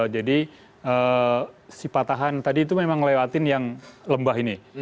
jadi si patahan tadi itu memang ngelewatin yang lembah ini